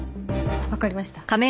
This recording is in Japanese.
わかりました。